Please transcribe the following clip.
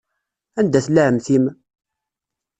Anda tella ɛemmti-m?